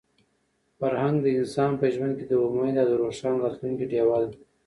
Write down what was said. فرهنګ د انسان په ژوند کې د امید او د روښانه راتلونکي ډیوه ده.